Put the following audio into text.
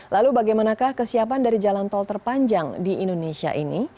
lalu bagaimanakah kesiapan dari jalan tol terpanjang di indonesia ini